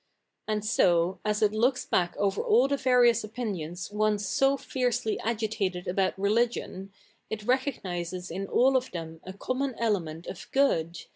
And so, as it looks back over all the various opinions once so fiercely agitated about religion, it recognises in all of tliem a common element of good, a?